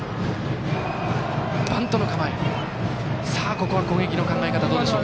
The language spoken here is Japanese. ここは攻撃の考え方どうでしょう。